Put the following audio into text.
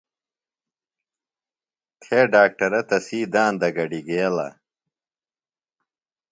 تھے ڈاکٹرہ تسی داندہ گڈیۡ گیلہ۔